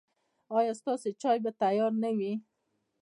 ایا ستاسو چای به تیار نه وي؟